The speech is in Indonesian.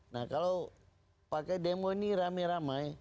nah kalau pakai demo ini ramai ramai